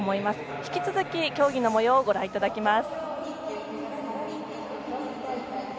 引き続き競技のもようをご覧いただきます。